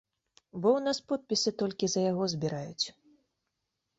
Бо ў нас подпісы толькі за яго збіраюць.